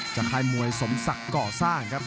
ค่ายมวยสมศักดิ์ก่อสร้างครับ